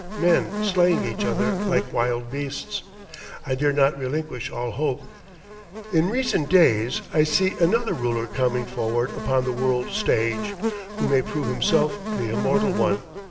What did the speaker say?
Men slaying each other like wild beasts! I dare not relinquish all hope. In recent days I see another ruler coming forward upon the world stage, who may prove himself the immortal one.